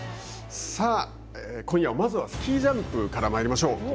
今夜はまずはスキージャンプから参りましょう。